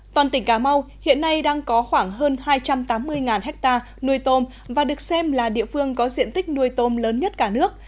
toàn tỉnh cà mau hiện nay đang có khoảng hơn hai trăm tám mươi ha nuôi tôm và được xem là địa phương có diện tích nuôi tôm lớn nhất cả nước